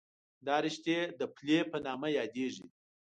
دا رشتې د پلې په نامه یادېږي.